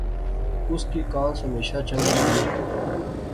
اس کی کانس ہمیشہ چنگی لغی